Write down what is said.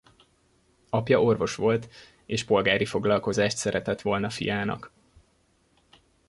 Apja orvos volt és polgári foglalkozást szeretett volna fiának.